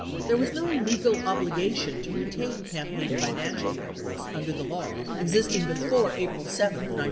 There was no legal obligation to retain campaign financial records under the law existing before April 7, 1972.